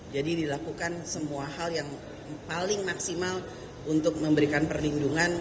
jadi dilakukan semua hal yang paling maksimal untuk memberikan perlindungan